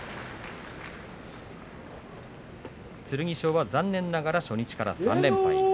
剣翔は残念ながら初日から３連敗。